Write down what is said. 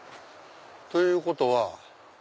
ということは。